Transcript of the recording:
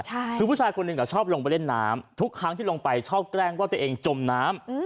คือผู้ชายคนหนึ่งชอบลงไปเล่นน้ำทุกครั้งที่ลงไปชอบแกล้งว่าตัวเองจมน้ำ